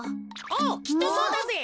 おうきっとそうだぜ。